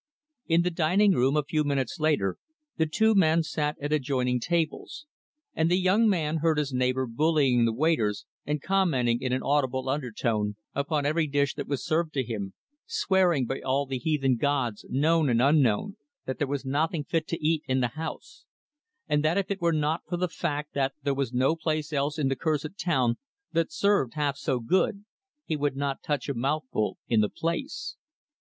In the dining room, a few minutes later, the two men sat at adjoining tables; and the young man heard his neighbor bullying the waiters and commenting in an audible undertone, upon every dish that was served to him swearing by all the heathen gods, known and unknown, that there was nothing fit to eat in the house; and that if it were not for the fact that there was no place else in the cursed town that served half so good, he would not touch a mouthful in the place.